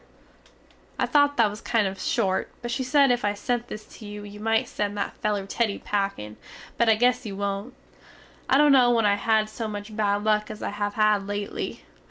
"_ I thot that was kind of short but she sed if I sent this to you you mite send that feler Teddy packin, but I guess you wont. I dont no when I have had so much bad luck as I have had lately.